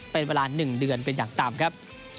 เป็นเวลา๑เดือนเป็นอย่างต่ำครับ